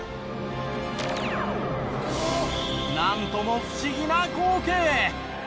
なんとも不思議な光景。